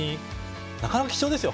なかなか貴重ですよ